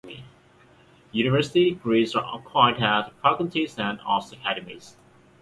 University degrees are acquired at the faculties and arts academies.